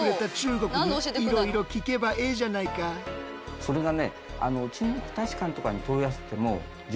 それがね